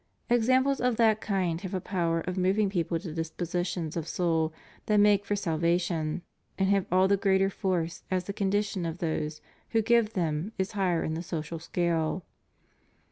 Examples of that kind have a power of moving people to dispositions of soul that make for salvation, and have all the greater force as the condition of those who give them is higher in the social scale.